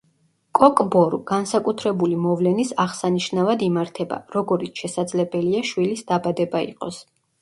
კოკ ბორუ განსაკუთრებული მოვლენის აღსანიშნავად იმართება, როგორიც შესაძლებელია შვილის დაბადება იყოს.